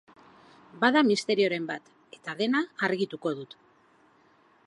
Bada misterioren bat, eta dena argituko dut.